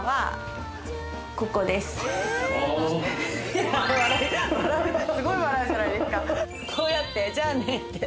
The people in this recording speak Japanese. いやすごい笑うじゃないですか。